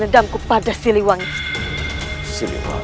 dendam kepada siliwangi siliwangi